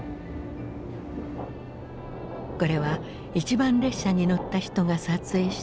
これは一番列車に乗った人が撮影した